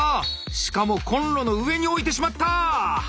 しかもコンロの上に置いてしまった！